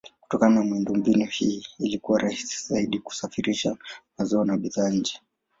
Kutokana na miundombinu hii ilikuwa rahisi zaidi kusafirisha mazao na bidhaa nje.